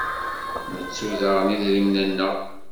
Nettu daɣen idrimen-nneɣ?